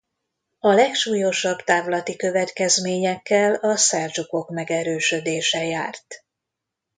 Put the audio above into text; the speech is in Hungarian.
A legsúlyosabb távlati következményekkel a szeldzsukok megerősödése járt.